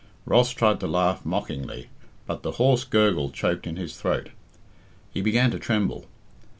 Ross tried to laugh mockingly, but the hoarse gurgle choked in his throat. He began to tremble.